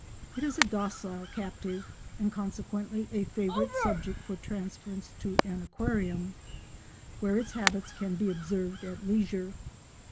It is a docile captive, and consequently a favourite subject for transference to an aquarium, where its habits can be observed at leisure.